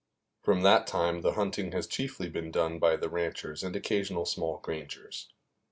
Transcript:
From that time the hunting has chiefly been done by the ranchers and occasional small grangers.